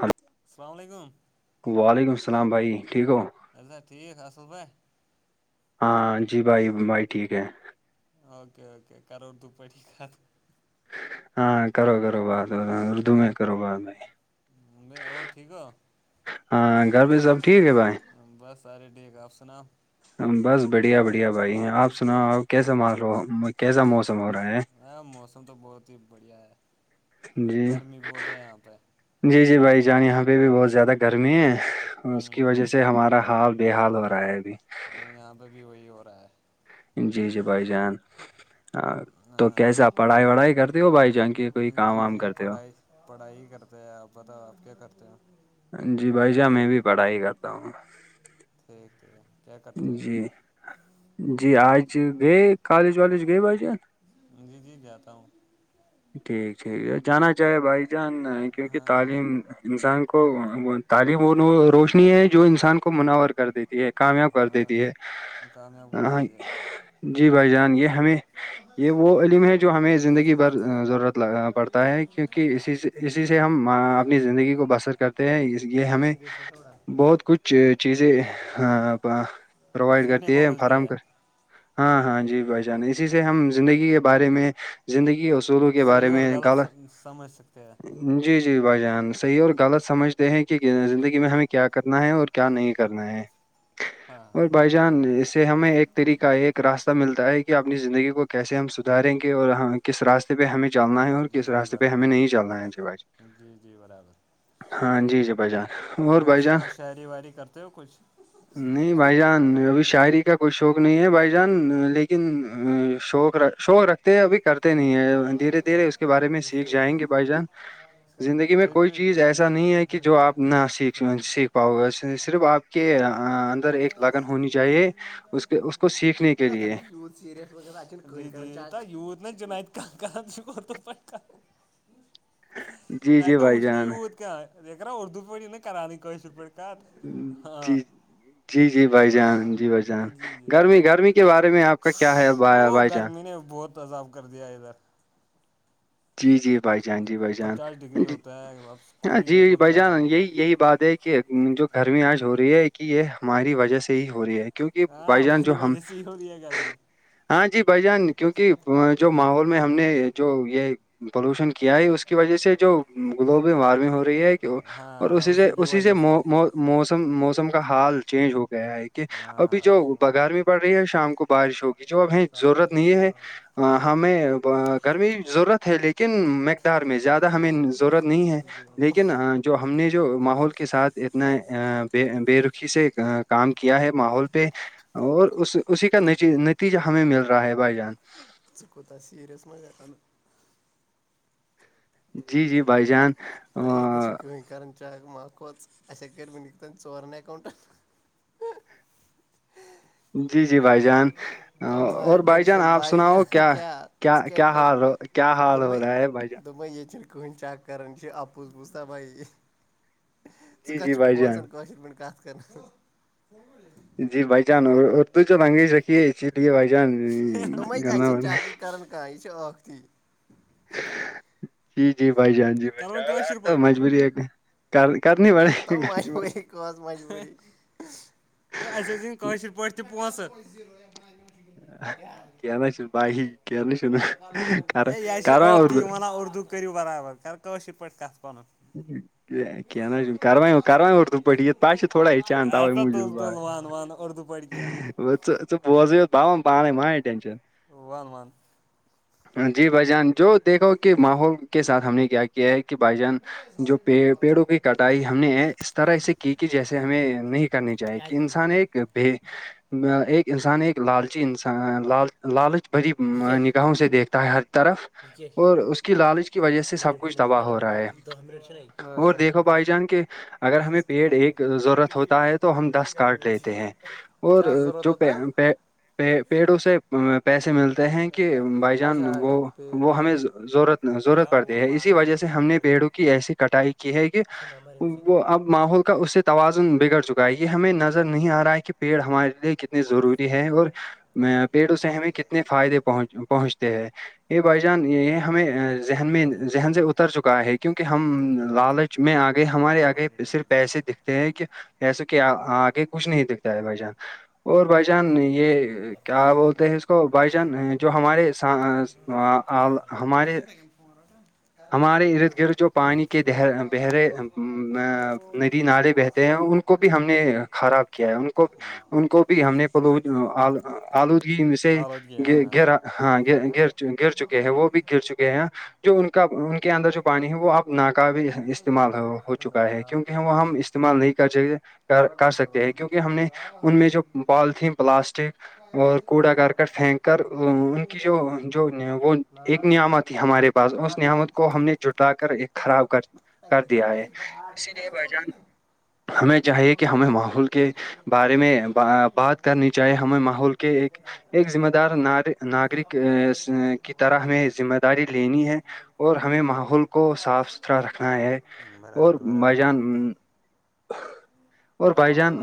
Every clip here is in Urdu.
ہلو السلام علیکم وعلیکم السلام بھائی ٹھیک ہو ٹھیک [unintelligible] ہاں جی بھائی بھائی ٹھیک ہے اوکے اوکے کرو اردو پٹیی کت ہاں کرو کرو بات اردو میں کرو بات بھائی میں اور ٹھیک ہ ہاں گھر پہ سب ٹھیک ہے بھائی بس سارے ٹھیک آپ سناؤ بس بڑھیا بڑھیا بھائی ہیں آپ سنا آ کیسا م کیسا موسم ہو رہا ہے ہاں موسم تو بہت ہی بڑھیا ہے ہے جی گرمی بہت ہے یہاں پہ جی جی بھائی جان یہاں پہ بھی بہت زیادہ گرمی ہے اس کی ہوں وجہ سے ہمارا ہال بے حال ہو رہا ہے ابھی ہاں یہاں پہ بھی وہی ہو رہا ہے جی جی بھائی جان ہاں تو ہے کیسے آپ پڑھائی وڑھائی کرتے اور ہو بھائی جان کے کوئی کام جی وام جی کرتے ہو پڑھائی پڑھائی کرتے ہیں آپ پت آپ کیا کرتے ہیں جی بھائی جان میں بھی پڑھائی کرتا ہوں ٹھیک ٹھیک کیا کرتے جی جی آج گے کالج والالج گے بھائی جان جی جی جاتا ہوں ٹھیک ٹھیک جانا چاہے بھائی جان کیونکہ ہاں تعلیم انسان کو تعلیم روشنی ہے جو انسان کو مناور کر دیتی ہے کام کر ہاں دیتی ہے کامیاب کر ہ دیتی ہے جی بھائی جان یہ ہمیں یہ وہ علم ہے جو ہمیں زندگی بھر ضرورت ل پڑھتا ہے کیونکہ ہاں اسی سے اسی سے ہم اپنی زندگی کو بسر کرتے ہیں یہ ایک جس ہمیں جس نے تھوڑا بہت کچھ چیزیں پرووائڈ سیکھنے کرتی کو ہے ملتی فراہم کر ہاں ہاں جی بھائی جان اسی سے ہم زندگی کے بارے میں زندگی اصولوں کے بارے صحیح اور میں غلط س سمجھ سکتے ہیں جی جی بھائی جان صحیح اور غلط سمجھتے ہیں کہ زندگی میں ہمیں کیا کرنا ہے اور کیا نہیں کرنا ہے ہاں اور ہاں بھائی جان اس سے ہمیں ایک طریقہ ایک راستہ ملتا ہے کہ اپنی زندگی کو کیسے ہم سدھاریں گے اور کس راستے پہ ہمیں چلنا ہے اور جی کس جی راستے پہ ہمیں برابر نہیں چلنا ہے جی بھائی ج جی جی برابر ہاں جی جی بھائی جان اور جان سنا شاعری واعری کرتے ہو کچھ نہیں بھائی جان ابھی شاعری کا کچھ شوق نہیں ہے بھائی جان لیکن شوق شوق رکھتے ہیں ابھی کر نہیں ہے دھیرے دھیرے اس کے بارے میں سیکھ جائیں گے بھائی جان زندگی میں پھر کوئی بھی چیز ایسا نہیں فقت ہے کہ کہ جو بہنا آپ نہ سیکھ افیکٹ سیکھ پاؤ گے اس صرف آپ کے اندر ایک لگن ہونی چاہیے اس کے اس کو سیکھنے کے لیے [unintelligible] [unintelligible] جی ا جی توا بھائی وشنی جان ت کیا یہ نا اردو پ نا کرانیشر پ ک ہاں جی جی جی بھائی جان جی بھائی جان جی جی گرمی گرمی کے بارے میں آپ کا کیا ہے او بھائی جان گرمی نے بہت عذاب کر دیا ادھر جی جی بھائی جان جی بھائی جان پچاس ڈگری جی ہوتا ہے اب ہاں خود ہی جی دیکھو بھائی کیا حال جان ہوگا یہی یہی بات ہے کہ جو گرمی آج ہو رہی ہے کہ یہ ہماری وجہ سے ہی ہو رہی ہے کیونکہ بھائی ہاں جان جو ہماری ہم وجہ سے ہی ہو رہی ہے گرمی ہاں جی بھائی جان کیونکہ جو ماحول میں ہم نے جو یہ پولوشن کیا ہے اس کی وجہ سے جو گلوبل وارمنگ ہو رہی ہے کہ اور اس ہاں سے کی اسی سے وجہ موسم موسم کا حال چینج ہو گیا ہے کہ ہاں ابھی ہاں سَتھ جو چھِ یِوان بغار میں پڑ رہی ہے شام کو بارش ہوگی جو اب ہے سَتھ حظ ضرورت نہیں ہے ہمیں گرمی ضرورت ہے لیکن میں دار میں زیادہ ہمیں ضرورت نہیں ہے زٕتووُہ آو لیکن جو ہم نے جو ماحول کے ساتھ اتناے بے رکھی سے کام کیا ہے ماحول پہ اور اس اسی کا نتیجہ ہمیں مل رہا ہے بھائی جان کوتتا سیرریس مالے جی جی بھائی جان آ، [unintelligible] جی جی بھائی جان آ، اور [unintelligible] بھائی جان ٹینشن آپ بھائی سناؤ جان کیا کیا حال ہو- کیا حال ٹینشن ہو رہا ہے بھائی جان [unintelligible] جی جی بھائی جان [unintelligible] جی بھائی جان اردو جو لینگویج رکھی ہے چیٹ بھائی جان گنا نے کر کا [unintelligible] ختی جی جی بھائی جان جی بھائی کَران جان ای کٲشِر تو مجبوری ہے کر کرنی بائی آتا ہ مشے کو ایک [unintelligible] [unintelligible] [unintelligible] کیا نا شنو بھائی کیا نا شنو، کر کر رہا ہوں اردو اردو کرریو برابر کر کوشر پاٹی کات پن جی جی [unintelligible] بڑھ گیا [unintelligible] ون ون جی بھائی جان جو دیکھو کہ ماحول کے ساتھ ہم نے کیا کیا ہے کہ بھائی جان کیٛازِ ہوٚو جو پیڑوں کی کٹائی ہم نے اس طرح سے کی کہ جیسے ہمیں نہیں کرنی چاہیے کہ نہٕ انسان مےٚ ایک بھی ایک انسان ایک لالچی انسان لالچی لالچ بری یہِ کیٛاہ چھِ یہِ نگاہوں سے دیکھتا ہے ہر طرف کیٛاہ چھِ اور اس کی لالچ کی وجہ سے سب نٔنۍ کچھ فنِس تباہ ہو رہا ہے [unintelligible] اور دیکھو بھائی جان کے اگر ہمیں پیڑ ایک ضرورت ہوتا ہے تو ہم دس کارڈ لیتے ہیں اور کیٛاہ ضروٗرت جو ہوتا پے پے پیر پیڑوں سے پیسے ملتے ہیں کہ بھائی جان اچھا اچھا وہ پیڑ وہ ہمیں یہِ ضرورت ضرورت پڑتی ہے اسی وجہ سے ہم نے پیڑوں کی ایسی کٹائی کی ہے کہ چھا نمبر أمۍ وہ سٕنٛدۍ اب ماحول کا اس سے توازن بگڑ چکا ہے یہ ہمیں نظر نہیں آ رہا ہے کہ پیڑ ہمارے لیے کتنی ضروری ہے اور پیڑوں سے ہمیں کتنے فائدے پہن پہنچتے ہیں یہ بھائی جان یہ ہمیں ذہن میں ذہن سے اتر چکا ہے کیونکہ ہم لالچ میں آ گئے ہمارے پنٛداہ آگئے مِنٹَن صرف گٔژھِتھ کیٛاہ پیسے دکھے کہ ایسے کہ آگے کچھ نہیں دکھتا ہے بھائی جان اور بھائی جان یہ کیا گژھِ بولتے ہیں اس کو بھائی جان جو ہمارے [unintelligible] ہمارے ہمارے ارد گرد جو [unintelligible] پانی کےر بہرے السلام علیکم ندی نالے بہتے ہیں السلام ان کو بھی ہم نے علیکم خراب کیا ہے ان کو ان کو بھی ہم نے [unintelligible] آلودگی سے آواز گئی ہاں ہاں گر ہاں گ گر چکے ہیں وہ بھی گر چکے ہیں جو ان کا ان کے اندر جو پانی ہے وہ اپ ناکا بھی بہنڈ استعمال تھوڑ ہو سیکنڈ چکا ہے ہوتا کیونکہ وہ ہم استعمال نہیں کرنا چاہیے کر لوگ کر گوئی سکتے چبڑی ہیں کیونکہ ہم نے ان میں جو بال تھی پلاسٹک اور کوڑا کرکٹ پھینک کر ان کی جو جو وہ ایک نعمت تھی ہمارے پاس اس نعمت کو ہم نے جٹا کر ایک خراب کر کر دیا ہے اسی لیے بھائی جان ہمیں چاہیے کہ ہمیں ماحول کے بارے میں با بات کرنی چاہیے ہمیں ماحول کے ایک ذمہ دار ناگری کی طرح ہمیں ذمہ کہ داری لینی ہے اور ہمیں ماحول کو صاف ستھرا رکھنا ہے اور برابر مائی برابر جان اور بھائی جان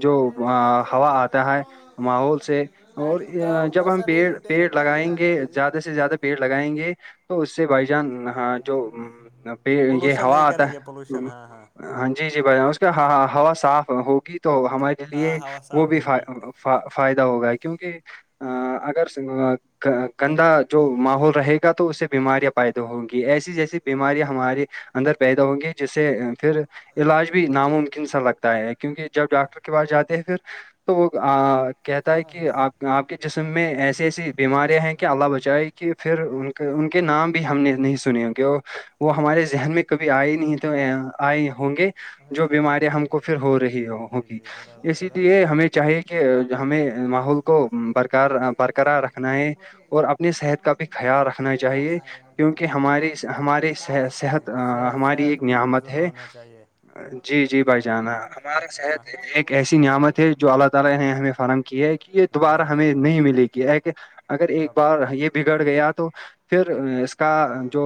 جو ہوا اتا ہے ماحول سے اور گاؤں جب ہم بسا نہیں پیڑ پیڑ لٹیرے پہلے لگائیں آ گے گئے زیادہ سے زیادہ پیڑ لگائیں گے تو اس سے بھائی جان ہاں جو پ یہ پولوشن ہوا نہیں اتا کریں گے ہے پولوشن ہاں ہاں جی جی بائی اس کا ہوا صاف ہوگی تو ہمارے لیے ہاں ہوا وہ صاف بھی ہوگی ف فائد ہوگا ہے کیوکی اگر سے گندا جو ماحول رہے گا تو اس سے بیماریاں پیدا ہوں گی ایسی جیسے بیماری ہماری اندر پیدا ہوں گی جسے پھر علاج بھی ناممکن سالہ تا ہے کیونکہ جب ڈاکٹر کے پاس جاتے ہیں پھر تو ا کہتا کیا ہے کہ حسین اپ اپ کے جسم کیا میں ایسی حسین ایسی بیماریاں ہیں کہ ہاں اللہ بچائے کہ پھر ان کے ان کے ہاں نام بھی ہم ہاں نے نہیں سو تو نے ان کہ ہوں گے اور وہ ہمارے ذہن میں کبھی ہاں ہاں ائے نہیں تو ائے ہوں گے جو ہرچیز بنی بیماریاں بڑھیا ہم کو بنے پھر گا ہو رہی جی جی ہوگی جی برابر اسی لیے ہمیں چاہی کہ کہ ہمیں ماحول کو برابر برکر برقرار رکھنا ہے اور اپنی صحت کا بھی خیال رکھنا چاہیے کیوکی ہمارے اس ہمارے سہ صحت صحت ہماری صحت ایک نیامت مضر ہے ہونا چاہیے جی جی بھائی جانا ہمارا صحت ایک ایسی نیامت ہے جو اللہ تعالی نے ہمیں فراہم کیا ہے کہ یہ دوبارہ برابر ہمیں برابر نہیں ملے گی کہ اگر ایک برابر بار یہ بگڑ گیا تو پھر اس کا جو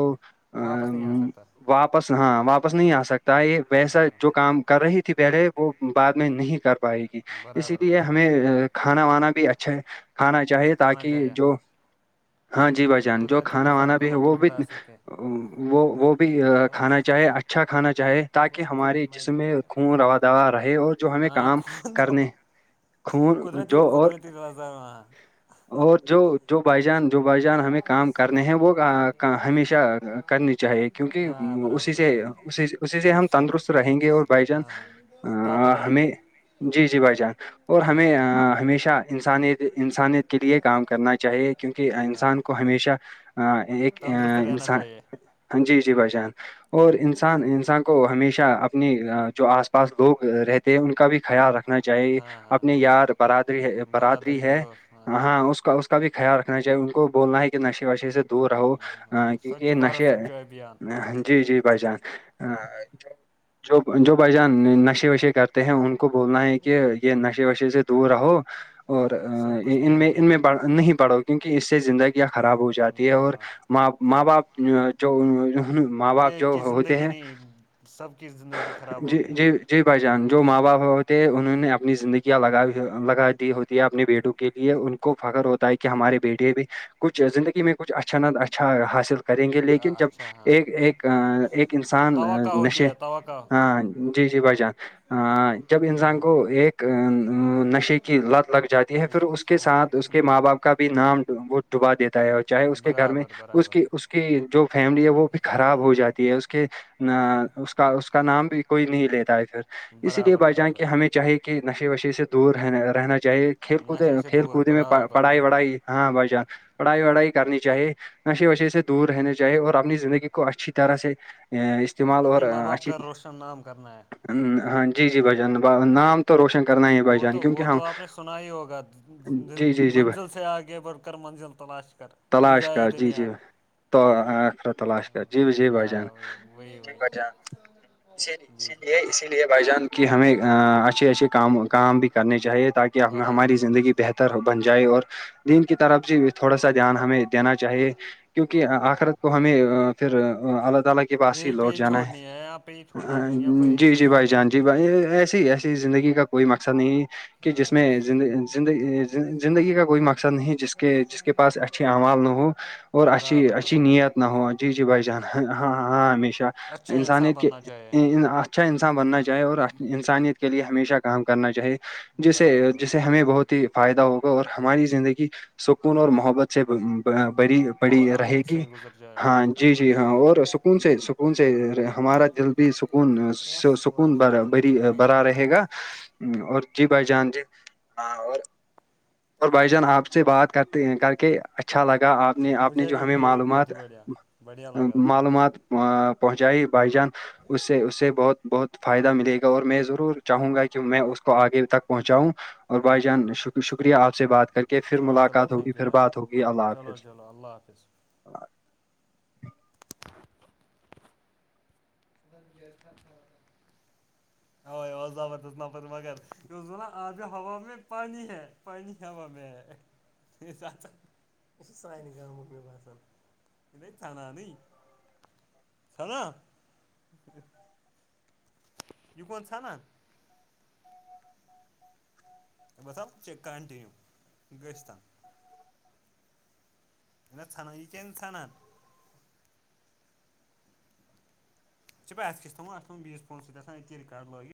واپس نہیں ا سکتا واپس ہاں واپس نہیں اسکتا ت یہ ویسا ہاں جو کام کر رہی تھی پہلے وہ بعد میں نہیں کر پائے گی اسی برابر لیے برابر ہمیں کھانا وانا بھی اچھا ہے کھانا چاہیے کھانا تاکہ چاہیے جو ہاں جی بھائی جان جو قدرتی کھانا وانا نظاروں کا بھی ہے وہ لطف بھی اٹھا سکے وہ وہ بھی کھانا چاہے اچھا کھانا چاہے تاکہ ہمارے جسم میں خون اور دا رہے ہو جو ہمیں ہاں کام کون کرنے خون جو قدرتی اور قدرتی نظاروں ہاں اور جو جو بھائی جان جو بھائی جان ہمیں کام کرے ہیں وہ کہ ہمیشہ کرنی چاہیے کیوکی ہاں اسی برابر سے برابر اسی سے ہم تندرست رہیں گے اور بھائی جان ہاں ہاں آ، طاقت ائے ہمیں گی جی جی بھائی جان اور ہاں ہمیں ہاں ہمیشہ انسانیت انسانیت کے لیے کام کرنا چاہیے کیوکی ہاں انسان کو ہمیشہ ایک تندرست رہنا انسان چاہیے جی جی بھائی جان اور جی جی انسان انسان کو ہمیشہ اپنی جو اس پاس لوگ رہتے ہیں ان کا بھی خیال رکھ نا جائے ہاں ہاں اپنے یار برادری برادری ہے ہاں اس کا اس کا بھی خیال رکھنا چاہیے ان کو بولنا ہے کہ نشے وشے سے دور رہو ہاں سوچھ یہ بھارت نشے سوچھ ابھیان جی جی بھائی جان ہاں جو بھائی جان نشے وشے کرتے ہیں ان کو بولنا ہے کہ یہ نشے وشے سے دور رہو ہاں اور اس سے کچھ ان نہیں میں نکلے ان گا بڑا نہیں پڑو کیوکی اس سے زندگیاں خراب ہو جاتی ہے تو اور ماں باپ جو ماں باپ جو ایک کی ہوتے زندگی ہیں نہیں سب کی زندگی خراب جی ہوگی جی جی بھائی جان جو ماں باپ ہوتے ہیں انہوں نے اپنی زندگیاں لگا لگا دی ہوتی ہے اپنے بیٹوں کے لیے ان کو فخر ہوتا ہے کہ ہمارے بیٹیے بھی کچھ زندگی میں کچھ اچھا نہ اچھا حاصل کریں گے ہاں لیکن جب اچھا ہاں ایک ایک ایک انسان توقع ہوتی نشے ہے توقع ہاں جی جی بھائی جان جب انسان یامن کو ایک نشے کی لت لگ جاتی پھر اس کے شہر ساتھ اس کے ماں باپ کا بھی نام وہ ڈوبا دیتا ہے اور چاہے اس کے گھر میں برابر اس برابر کی اس کی جو فیملی ہے وہ بھی خراب ہو جاتی ہے اس کے اس کا نام بھی کوئی نہیں لیتا ہے پھر اس لیے برابر بھائی جان برابر کہ ہمیں چاہے کہ کی نشے وشے سے دور رہنا رہنا چاہیے کھیل کود نشے سے کھیل دور کود میں برابر پڑھائی وڑھائی ہاں بھائی جان پڑھائی وڑائی کرنی چاہی نشے وشے سے دور رہنا چاہیے اور اپنی زندگی کو اچھی طرح سے استعمال اور اپنے ماں باپ اچھی کا روشن نام کرنا ہے ہاں جی جی بھائی جب نام روشن کرنا ہے بھائی وہ جان تو کیونکہ وہ ہم تو آپ نے سنا ہی ہوگا جی جی جی بھائی منزل سے آگے بڑھ کر منزل تلاش کر مل تلاش جائے کا جی جی دنیا تو اخرت تلاش کر جی جی بھائی جان ہاں وہی وہی جی وہی بھائی جان جی اسی لیے اسی بھائی جان کہ ہمیں اچھے اچھے کام بھی کرنے چاہیے تاکہ برابر ہماری زندگی بہتر بن جائے اور نین کی طرف سے تھوڑا سا دھیان ہمیں دینا چاہیے کیونکہ آخرت برابر کو ہمیں پھر اللہ تعالی کے پاس ہی یہی پہ لوٹ جانا ہے چھوڑنی یہاں پہ ہی چھوڑنا ہے دنیا کو یہی جی پہ جی بھائی چھوڑنا ہے جان جی ایسسی ہی ایسی زندگی کا کوئی مقصد نہیں ہے کہ جس میں زندگی کا کوئی مقصد نہیں جس کے جس کے پاس اچھے اعمال نہ ہو اور اچھی برابر اچھی برابر نیت نہ ہوا جی جی بھائی جان ہاں ہاں ہمیشہ اچھا انسان انسانیت کے بننا چاہیے اچھا انسان بننا چاہے اور انسانیت کے لیے ہمیشہ کام کرنا چاہے جسے برابر جسے ہمیں بہت فائدہ ہوگا اور ہماری زندگی سکون اور محبت سے بری بڑی رہے پرامن گی سے گزر جائے ہاں جی پکو نا جی ہاں دوران اور سکون سے سکون سے ہمارا دل بھی سکون یس وَنان سکون چھِ با الگ یِمن ہا برا یِمن رہے گا اور جی بھائی جان جی اور اور بھائی باسان جان آپ سے بات کرتے ہیں کر کے اچھا لگا آپ نے آپ نے مجھے جو بھی ہمیں مجھے بھی بہت معلومات ہی بڑھیا بڑھیا لگا تھا بڑھیا لگا معلومات پہنچائی بھائی جان اس سے اس سے بہت بہت فائدہ ملے گا اور میں ضرور چاہوں گا کہ میں اس کو آگے تک پہنچاؤں اور بھائی ہاں ہاں جان شکریہ آپ سے بات کر کے پھر چلو ملاقات ہوگی پھر بات ہوگی اللہ حافظ اللہ اللہ حافظ [unintelligible] او زبردست نفر مگر یہ اسنان آج ہوا میں پانی ہے پانی ہوا میں کے ساتھ کے میں پسند انہیں کھانا نہیں تھا نا یہ کون سنا بس اب [unintelligible] [unintelligible] چھ با اس کس تھاا بییس فون سب رکارڈ لٮے